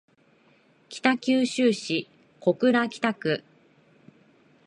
北九州市小倉北区